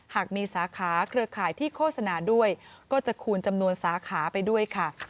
หากมีสาขาเครือข่ายที่โฆษณาด้วยก็จะคูณจำนวนสาขาไปด้วยค่ะ